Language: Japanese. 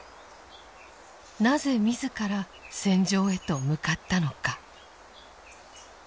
なぜ自ら戦場へと向かったのか。